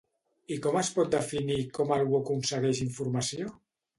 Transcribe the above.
I com es pot definir com algú aconsegueix informació?